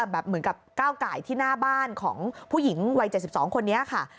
เหมือนกับก้าวไก่ที่หน้าบ้านของผู้หญิงวัย๗๒คนนี้ค่ะ